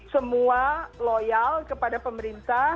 semua loyal kepada pemerintah